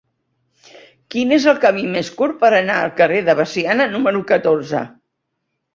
Quin és el camí més curt per anar al carrer de Veciana número catorze?